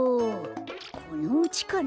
このうちかな？